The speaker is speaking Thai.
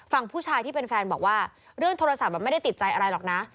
ผู้ชายที่เป็นแฟนบอกว่าเรื่องโทรศัพท์ไม่ได้ติดใจอะไรหรอกนะ